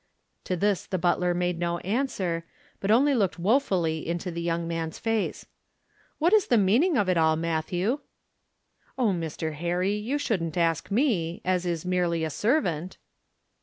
To this the butler made no answer, but only looked woefully into the young man's face. "What is the meaning of it all, Matthew?" "Oh, Mr. Harry, you shouldn't ask me, as is merely a servant."